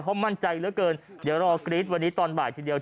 เพราะมั่นใจเหลือเกินเดี๋ยวรอกรี๊ดวันนี้ตอนบ่ายทีเดียว